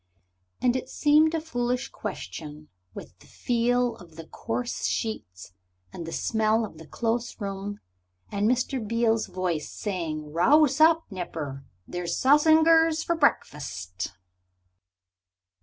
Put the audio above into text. And it seemed a foolish question with the feel of the coarse sheets and the smell of the close room, and Mr. Beale's voice saying, "Rouse up, nipper, there's sossingers for breakfast."